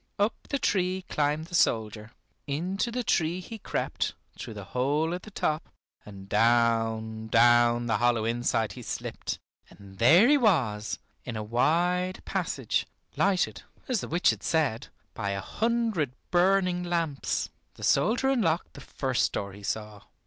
Up the tree climbed the soldier, into the tree he crept through the hole at the top, and down, down the hollow inside he slipped, and there he was, in a wide passage, lighted, as the witch had said, by a hundred burning lamps. The soldier unlocked the first door he saw.